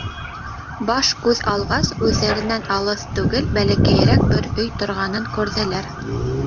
Баш-күҙ алғас, үҙҙәренән алыҫ түгел, бәләкәйерәк бер өй торғанын күрҙеләр.